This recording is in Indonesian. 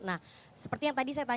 nah seperti yang tadi saya tanyakan